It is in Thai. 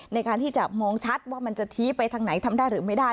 ในการที่จะมองชัดว่ามันจะชี้ไปทางไหนทำได้หรือไม่ได้